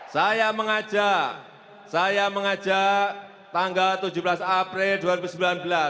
saya mengajak saya mengajak tanggal tujuh belas april dua ribu sembilan belas